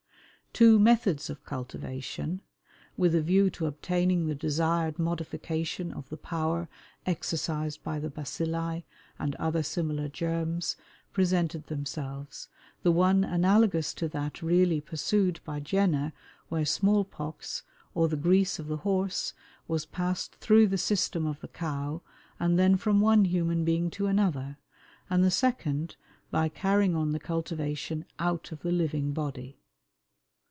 Two methods of cultivation, with a view to obtaining the desired modification of the power exercised by the bacilli and other similar germs, presented themselves, the one analogous to that really pursued by Jenner where small pox, or the grease of the horse, was passed through the system of the cow, and then from one human being to another; and the second by carrying on the cultivation out of the living body.